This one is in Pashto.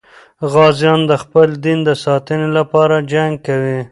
غازیان د خپل دین د ساتنې لپاره جنګ کوي.